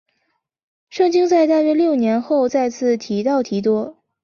圣经在大约六年后再次提到提多。